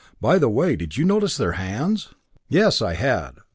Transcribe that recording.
By the way, did you notice their hands?" "Yes, I had.